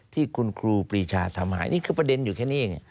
ที่คุณครูปรีชาทำหายนี่คือประเด็นอยู่แค่นี้เอง